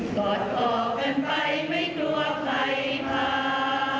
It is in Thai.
ก่อนออกกันไปไม่กลัวใครพา